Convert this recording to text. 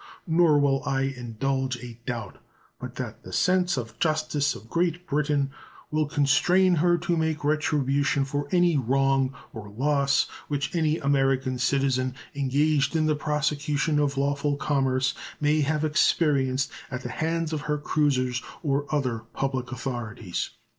Nor will I indulge a doubt but that the sense of justice of Great Britain will constrain her to make retribution for any wrong or loss which any American citizen engaged in the prosecution of lawful commerce may have experienced at the hands of her cruisers or other public authorities.